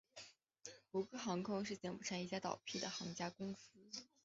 吴哥航空是柬埔寨一家倒闭的航空公司。